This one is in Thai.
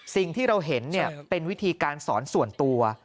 สิ่งที่เราเห็นเป็นวิธีการสอนส่วนตัว